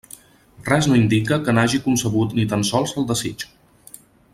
Res no indica que n'hagi concebut ni tan sols el desig.